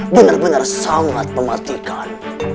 benar benar sangat mematikan